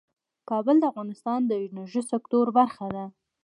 کابل د افغانستان د انرژۍ سکتور برخه ده.